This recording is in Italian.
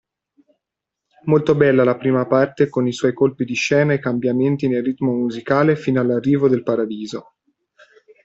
Molto bella la prima parte con i suoi colpi di scena e cambiamenti del ritmo musicale fino all'arrivo del paradiso.